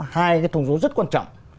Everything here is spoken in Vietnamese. có hai cái thông số rất quan trọng